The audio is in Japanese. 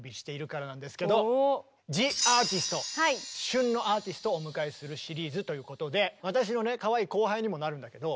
旬のアーティストをお迎えするシリーズということで私のねかわいい後輩にもなるんだけど。